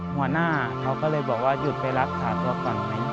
หัวหน้าเขาก็เลยบอกว่าหยุดไปรักษาตัวก่อนไหม